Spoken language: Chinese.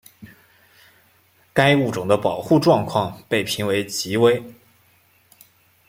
该物种的保护状况被评为极危。